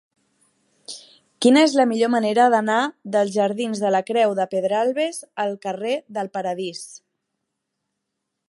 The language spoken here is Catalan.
Quina és la millor manera d'anar dels jardins de la Creu de Pedralbes al carrer del Paradís?